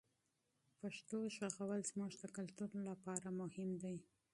پښتو غږول زموږ د کلتور لپاره مهم دی.